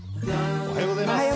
おはようございます。